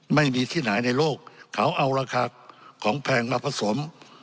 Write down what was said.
ไม่มีที่ไหนในโลกเขาเอาราคาของแพงมาผสม